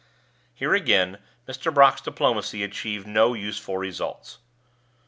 Here again Mr. Brock's diplomacy achieved no useful results.